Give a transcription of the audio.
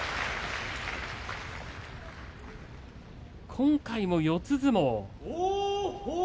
今回も四つ相撲。